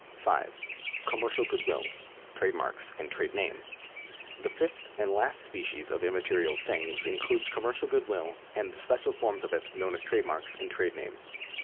5. Commercial good ivill ; trade marks and trade names. The fifth and last species of immaterial things includes com mercial good will and the special forms of it known as trade marks and trade names.